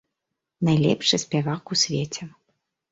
Найлепшы спявак у свеце.